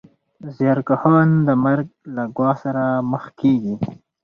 زیارکښان د مرګ له ګواښ سره مخامخ کېږي